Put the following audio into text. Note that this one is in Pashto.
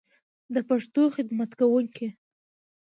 د پښتو خدمت کوونکی